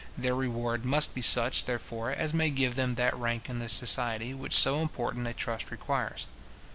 Their reward must be such, therefore, as may give them that rank in the society which so important a trust requires.